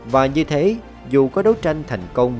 và như thế dù có đối tranh thành công